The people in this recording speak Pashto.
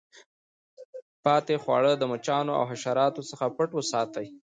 پاته خواړه د مچانو او حشراتو څخه پټ وساتئ.